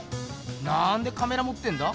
なんでカメラもってんだ？